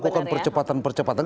tujuannya biar cepat kan sebenarnya